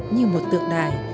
như một tượng đài